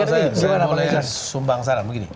kalau saya saya boleh sumbang saran begini